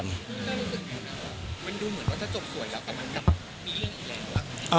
คุณก็รู้สึกยังไงครับ